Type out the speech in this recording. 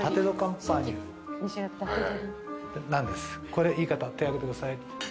これいい方手挙げてください。